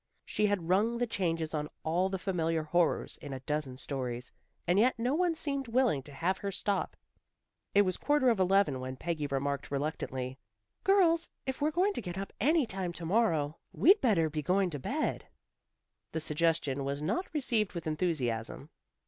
She had rung the changes on all the familiar horrors in a dozen stories, and yet no one seemed willing to have her stop. It was quarter of eleven when Peggy remarked reluctantly: "Girls, if we're going to get up any time to morrow, we'd better be going to bed." The suggestion was not received with enthusiasm.